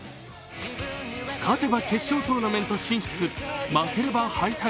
勝てば決勝トーナメント進出負ければ敗退。